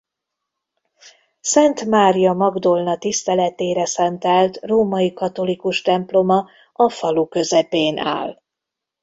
Szent Mária Magdolna tiszteletére szentelt római katolikus temploma a falu közepén áll.